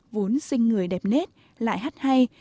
vốn sinh người đẹp nết lại hát hay